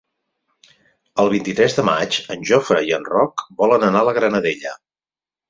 El vint-i-tres de maig en Jofre i en Roc volen anar a la Granadella.